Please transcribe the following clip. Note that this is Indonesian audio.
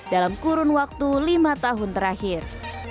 dalam kurun waktu lima tahun terakhir